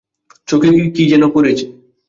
চোখে কি যেনো পড়েছে।